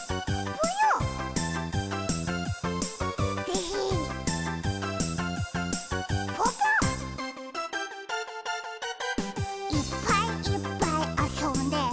ぽぽ「いっぱいいっぱいあそんで」